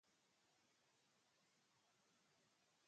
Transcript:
Varios establecimientos de la ciudad ofrecen alojamiento.